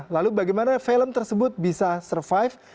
lalu bagaimana film tersebut bisa survive